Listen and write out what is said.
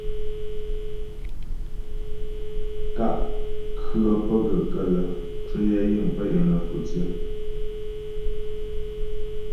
Kà' khə̌ pə́ gaə́ kələ ncwəyɛ yiŋ pə́ yiŋ nə̌fò tsyə.